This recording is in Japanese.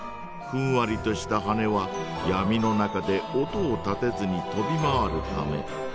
ふんわりとしたはねはやみの中で音を立てずに飛び回るため。